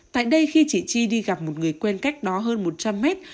tại đây khi chị chi đi gặp một người quen cách đó hơn một trăm linh mét